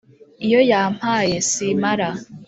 Iyo yampaye simara.